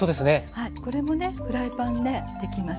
はいこれもねフライパンでできます。